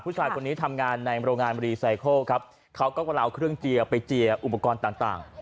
ผู้ชายคนนี้ทำงานในโรงงานรีไซเคิลครับเขาก็เวลาเอาเครื่องเจียไปเจียร์อุปกรณ์ต่างต่าง